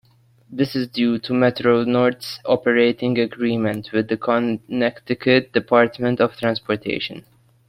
This is due to Metro-North's operating agreement with the Connecticut Department of Transportation.